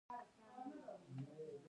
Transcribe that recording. ښځه د ژوند ښکلا ده